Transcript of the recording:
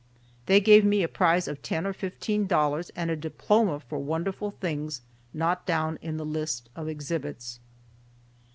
They gave me a prize of ten or fifteen dollars and a diploma for wonderful things not down in the list of exhibits.